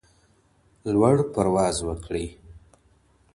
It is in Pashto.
لوړ پرواز وکړئ.